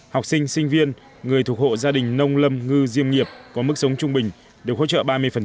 học sinh sinh viên người thuộc hộ gia đình nông lâm ngư diêm nghiệp có mức sống trung bình được hỗ trợ ba mươi